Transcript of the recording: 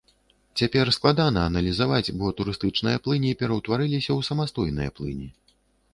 Цяпер складана аналізаваць, бо турыстычныя плыні пераўтварыліся ў самастойныя плыні.